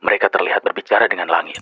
mereka terlihat berbicara dengan langit